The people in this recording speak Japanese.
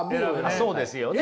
そうですよね。